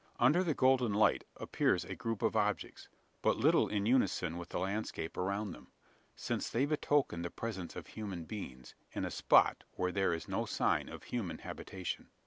Under the golden light appears a group of objects, but little in unison with the landscape around them: since they betoken the presence of human beings, in a spot where there is no sign of human habitation.